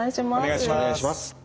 お願いします。